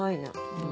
うん。